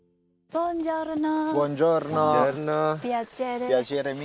ボンジョルノ。